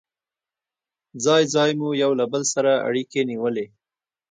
ځای ځای مو یو له بل سره اړيکې نیولې.